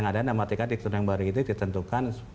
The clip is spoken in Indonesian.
namatikat di ketenangan baru itu ditentukan